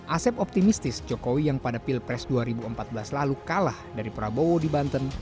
asep optimistis jokowi yang pada pilpres dua ribu empat belas lalu kalah dari prabowo di banten